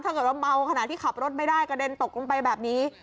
ถ้าเกิดว่าเมาขนาดที่ขับรถไม่ได้กระเด็นตกลงไปแบบนี้